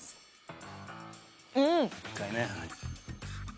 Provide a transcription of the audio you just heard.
うん！